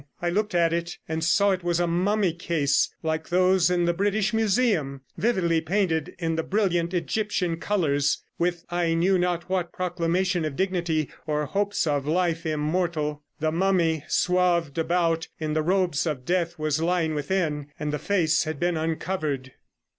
I looked at it, and saw it was a mummy case, like those in the British Museum, vividly painted in the brilliant Egyptian colours, with I knew not what proclamation of dignity or hopes of life immortal. The mummy swathed about in the robes of death was lying within, and the face had been uncovered.